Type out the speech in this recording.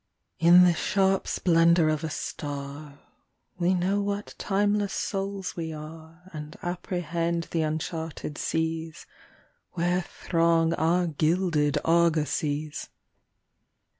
IN the sharp splendour of a star We know what timeless souls we are. And apprehend the uncharted seas Where throng our gilded argosies.